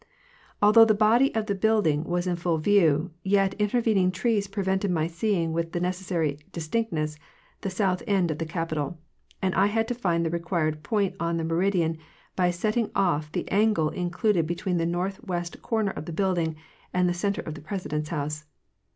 Although the body of the building was in full view, yet intervening trees prevented my seeing with the necessary distinctness the south end of the Capi tol; and I had to find the required point on the meridian by setting off the angle included between the northwest corner of the building and the center of the President's house.